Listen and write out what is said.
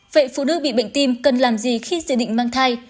vậy phụ nữ bị bệnh tim cần làm gì khi dự định mang thai